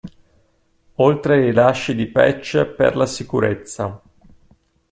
Oltre ai rilasci di patch per la sicurezza.